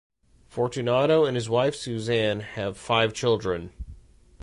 Fortunato and his wife Suzanne have five children.